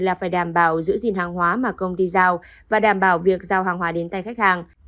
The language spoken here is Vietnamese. là phải đảm bảo giữ gìn hàng hóa mà công ty giao và đảm bảo việc giao hàng hóa đến tay khách hàng